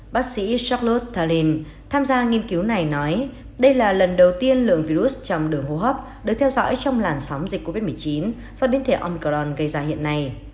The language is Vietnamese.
bác sĩ charles talin tham gia nghiên cứu này nói đây là lần đầu tiên lượng virus trong đường hô hấp được theo dõi trong làn sóng dịch covid một mươi chín do biến thể omcron gây ra hiện nay